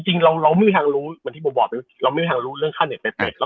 จริงเราไม่มีทางรู้เหมือนที่ผมบอกเราไม่มีทางรู้เรื่องค่าเน็ตไปเป็ด